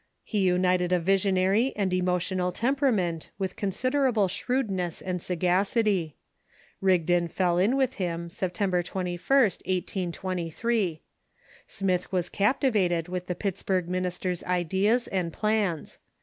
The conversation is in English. He united a visionary and emotional temperament with considerable shrewdness and sagacity. Rigdon fell in with him Sej^tember 21st, 1823. Smith was captivated with the Pittsburgh minister's ideas and plans.